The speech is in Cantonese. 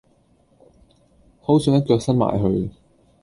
好想一腳伸埋去